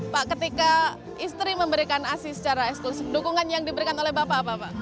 pak ketika istri memberikan asi secara eksklusif dukungan yang diberikan oleh bapak apa pak